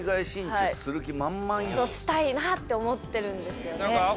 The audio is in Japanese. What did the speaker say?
そうしたいなって思ってるんですよね。